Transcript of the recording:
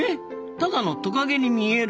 ただのトカゲに見える？